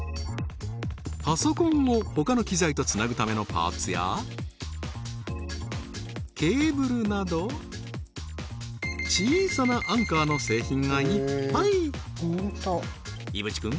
パソコンを他の機材とつなぐためのパーツやケーブルなど小さなアンカーの製品がいっぱい井渕くん